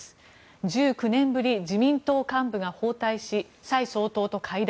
１９年ぶり、自民党幹部が訪台し蔡総統と会談。